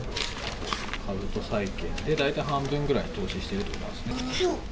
株と債券で、大体半分ぐらい投資しているということですね。